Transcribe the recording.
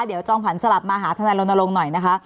เดี๋ยวจอมขวัญสลับมาหาทนายรณรงค์หน่อยนะคะ